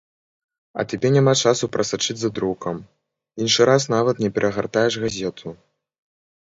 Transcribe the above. А табе няма часу прасачыць за друкам, іншы раз нават не перагартаеш газету.